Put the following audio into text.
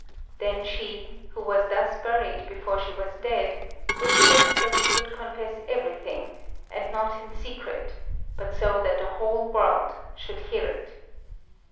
Then she, who was thus buried before she was dead, whispered that she would confess everything, and not in secret, but so that the whole world should hear it.